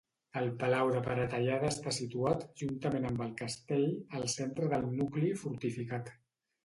El palau de Peratallada està situat, juntament amb el castell, al centre del nucli fortificat.